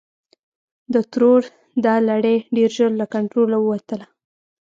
د ترور دا لړۍ ډېر ژر له کنټروله ووتله.